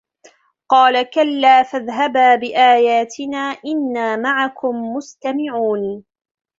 قَالَ كَلَّا فَاذْهَبَا بِآيَاتِنَا إِنَّا مَعَكُمْ مُسْتَمِعُونَ